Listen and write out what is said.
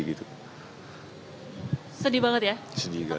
sedih banget ya sedih banget